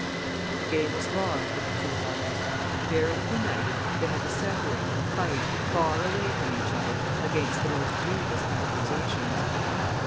The game was lost for the two lovers. Barely united, they had to separate and to fight, far away from each other, against the most grievous accusations.